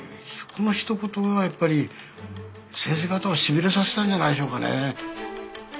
このひと言はやっぱり先生方をしびれさせたんじゃないでしょうかね。